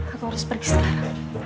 aku harus pergi sekarang